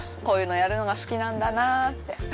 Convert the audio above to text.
こういうのやるのが好きなんだなあって。